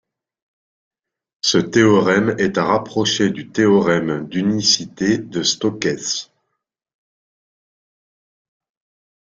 Ce théorème est à rapprocher du théorème d'unicité de Stokes.